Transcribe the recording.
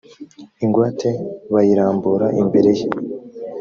ingwate bayirambura imbere ye